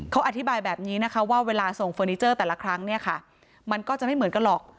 เขาอธิบายแบบนี้นะคะว่าเวลาส่งเฟอร์นิเจอร์แต่ละครั้งเนี่ยค่ะมันก็จะไม่เหมือนกันหรอก